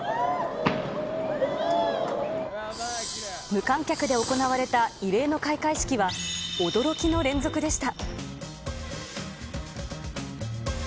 無観客で行われた異例の開会式は、驚きの連続でした。